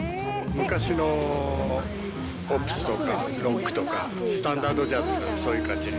昔のポップスとか、ロックとか、スタンダードジャズ、そういう感じの。